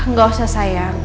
gak usah sayang